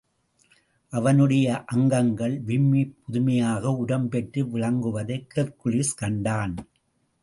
அவனுடைய அங்கங்கள் விம்மிப் புதுமையாக உரம் பெற்று விளங்குவதை ஹெர்க்குலிஸ் கண்டான்.